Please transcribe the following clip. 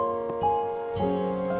aku akan menjaga dia